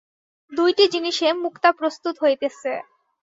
দুইটি জিনিষে মুক্তা প্রস্তুত হইতেছে।